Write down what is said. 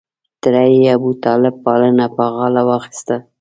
تره یې ابوطالب پالنه په غاړه واخسته.